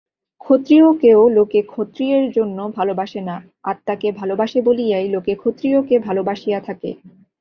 ক্ষত্রিয়কেও লোকে ক্ষত্রিয়ের জন্য ভালবাসে না, আত্মাকে ভালবাসে বলিয়াই লোকে ক্ষত্রিয়কে ভালবাসিয়া থাকে।